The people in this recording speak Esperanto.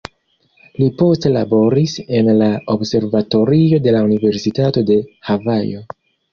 Li poste laboris en la observatorio de la Universitato de Havajo.